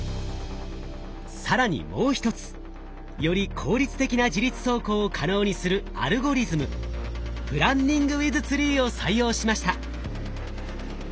更にもう一つより効率的な自律走行を可能にするアルゴリズムプランニング・ウィズ・ツリーを採用しました。